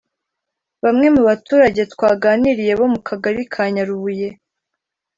Bamwe mu baturage twaganiriye bo mu Kagari Kanyarubuye